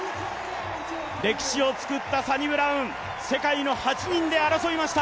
歴史を作ったサニブラウン世界の８人で戦いました。